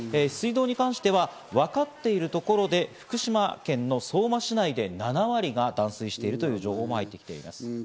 水道に関してはわかっているところで福島県の相馬市内で７割が断水しているという情報も入ってきています。